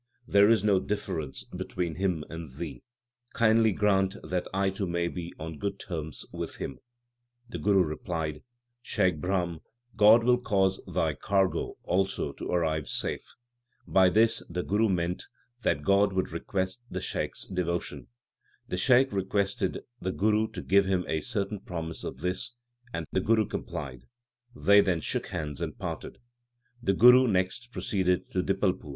There is no difference between Him and thee. Kindly grant that I too may be on good terms with Him/ The Guru replied, Shaikh Brahm, God will cause thy cargo also to arrive safe. By this the Guru meant that God would accept the Shaikh s devotion. The Shaikh requested the Guru to give him a certain promise of this, and the Guru complied. They then shook hands and parted. The Guru next proceeded to Dipalpur.